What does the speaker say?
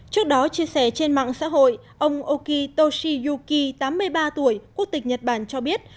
trước đó chia sẻ trên mạng xã hội ông okitoshi yuki tám mươi ba tuổi quốc tịch nhật bản cho biết